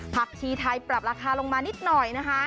ผักชีไทยปรับราคาลงมานิดหน่อยนะคะ